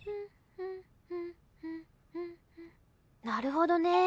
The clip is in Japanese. なるほどね。